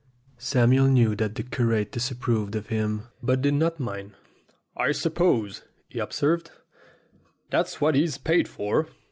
Samuel knew that the curate disapproved of him, but did not mind. "I suppose," he observed, "that's what he's paid for."